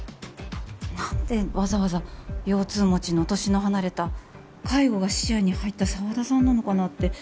何でわざわざ腰痛持ちの年の離れた介護が視野に入った沢田さんなのかなって